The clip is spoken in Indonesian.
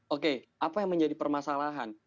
oke apa yang menjadi permasalahan